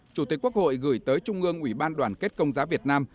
chủ tịch quốc hội gửi tới trung ương ủy ban đoàn kết công giáo việt nam